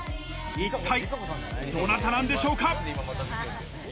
一体どなたなんでしょうか。